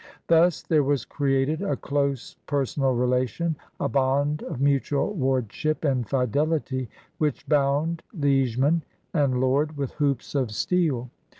Thus there was created a close personal relation, a bond of mutual wardship and fidelity which bound liegeman and lord with hoops of steel.